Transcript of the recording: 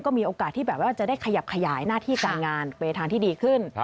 มีโอกาสที่แบบว่าจะได้ขยับขยายหน้าที่การงานไปทางที่ดีขึ้น